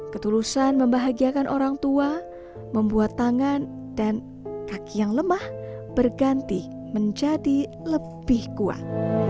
ketulusan membahagiakan orang tua membuat tangan dan kaki yang lemah berganti menjadi lebih kuat